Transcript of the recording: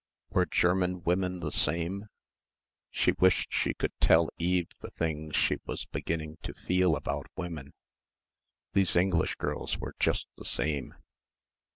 Were German women the same? She wished she could tell Eve the things she was beginning to feel about women. These English girls were just the same.